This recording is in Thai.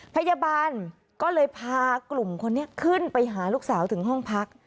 พยาบาลก็เลยพากลุ่มคนนี้ขึ้นไปหาลูกสาวถึงห้องพัก